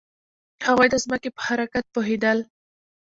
هغوی د ځمکې په حرکت پوهیدل.